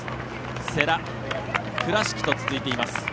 世羅、倉敷と続いています。